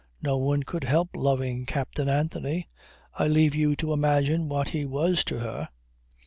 "No one could help loving Captain Anthony. I leave you to imagine what he was to her.